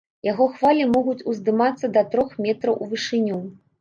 Яго хвалі могуць уздымацца да трох метраў у вышыню.